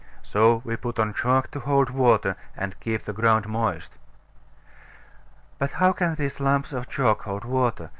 So we put on chalk to hold water, and keep the ground moist. But how can these lumps of chalk hold water?